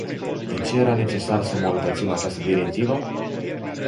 De ce era necesar să îmbunătățim această directivă?